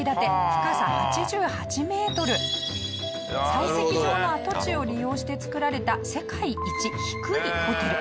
採石場の跡地を利用して造られた世界一低いホテル。